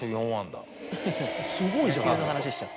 すごいじゃないですか。